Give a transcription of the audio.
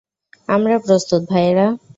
আমরা প্রস্তুত, ভাইয়েরা।